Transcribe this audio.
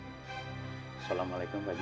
assalamualaikum bu haji